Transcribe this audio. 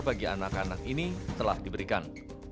bagi anak anak ini telah diberikan